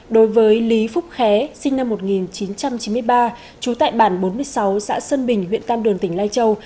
đối với lý phúc khé sinh năm một nghìn chín trăm chín mươi ba trú tại bản bốn mươi sáu xã sân bình huyện tam đường tỉnh lai châu